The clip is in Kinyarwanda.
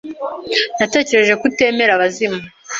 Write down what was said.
Natekereje ko utemera abazimu.